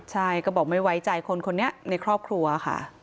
ใช่ก็บอกไม่ไว้ใจคนคนนี้ในครอบครัวค่ะ